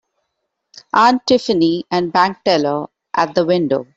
Aunt Tiffany and bank teller at the window.